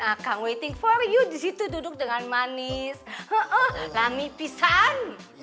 nah kang waiting for you disitu duduk dengan manis lami pisan